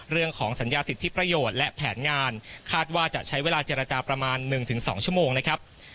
เรื่องของสัญญาสิทธิประโยชน์และแผนงานคาดว่าจะใช้เวลาเจรจาประมาณ๑๒ชั่วโมงนะครับ